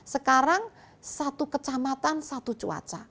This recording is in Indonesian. sekarang satu kecamatan satu cuaca